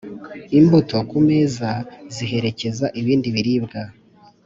-imbuto ku meza ziherekeza ibindi biribwa